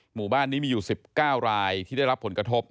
หมู่บ้านนี้มีอยู่๑๙รายที่ได้รับผลกระทบ